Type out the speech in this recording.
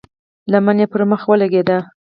لمن يې پر مخ ولګېده.